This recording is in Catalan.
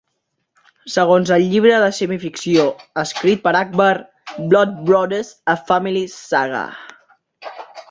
Segons el llibre de semi-ficció escrit per Akbar, "Blood Brothers. A Family Saga".